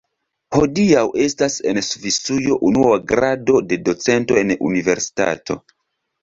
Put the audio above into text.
Hodiaŭ estas en Svisujo unua grado de docento en universitato.